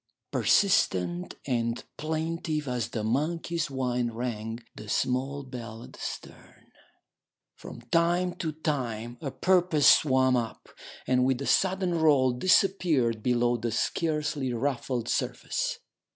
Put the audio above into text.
Persistent and plaintive as the monkey's whine rang the small bell at the stern. From time to time a porpoise swam up, and with a sudden roll disappeared below the scarcely ruffled surface.